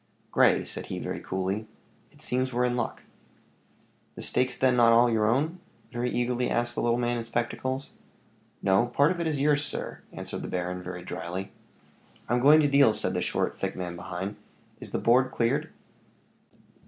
"Grey," said he, very coolly, "it seems we're in luck." "The stake's then not all your own?" very eagerly asked the little man in spectacles. "No, part of it is yours, sir," answered the baron, very dryly. "I'm going to deal," said the short, thick man behind. "Is the board cleared?"